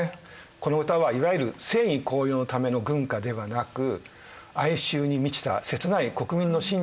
この歌はいわゆる戦意高揚のための軍歌ではなく哀愁に満ちた切ない国民の心情を表現したものです。